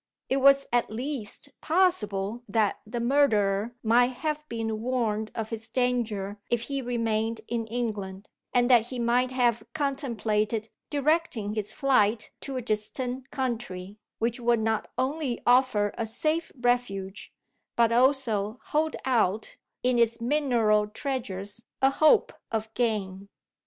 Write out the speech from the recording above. It was at least possible that the murderer might have been warned of his danger if he remained in England, and that he might have contemplated directing his flight to a distant country, which would not only offer a safe refuge, but also hold out (in its mineral treasures) a hope of gain.